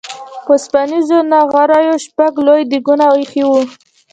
په اوسپنيزو نغريو شپږ لوی ديګونه اېښي وو.